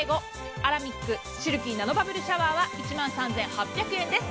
アラミックシルキーナノバブルシャワーは１万３８００円です。